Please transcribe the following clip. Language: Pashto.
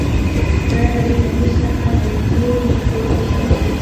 دا نړۍ له موږ څخه د نويو مفکورو غوښتنه کوي.